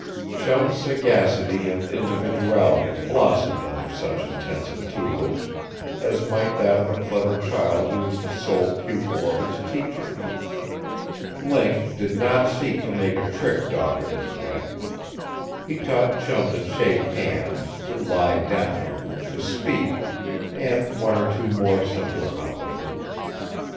Chum's sagacity and individuality blossomed under such intensive tutelage, as might that of a clever child who is the sole pupil of its teacher. Link did not seek to make a trick dog of his pet. He taught Chum to shake hands, to lie down, to "speak" and one or two more simple accomplishments.